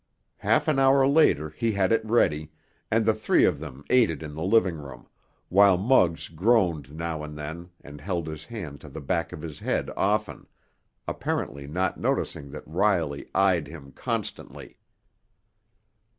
Half an hour later he had it ready, and the three of them ate it in the living room, while Muggs groaned now and then and held his hand to the back of his head often, apparently not noticing that Riley eyed him constantly.